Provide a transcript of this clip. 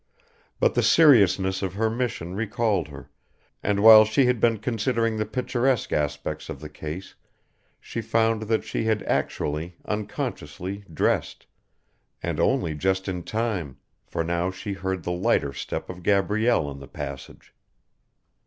But the seriousness of her mission recalled her, and while she had been considering the picturesque aspects of the case she found that she had actually, unconsciously dressed ... and only just in time, for now she heard the lighter step of Gabrielle in the passage.